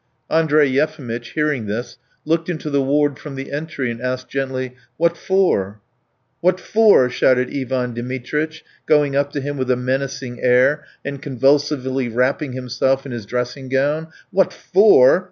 Andrey Yefimitch, hearing this, looked into the ward from the entry and asked gently: "What for?" "What for?" shouted Ivan Dmitritch, going up to him with a menacing air and convulsively wrapping himself in his dressing gown. "What for?